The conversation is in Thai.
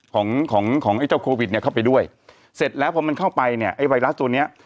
ของของไอ้เจ้าโควิดเนี่ยเข้าไปด้วยเสร็จแล้วพอมันเข้าไปเนี่ยไอ้ไวรัสตัวเนี้ย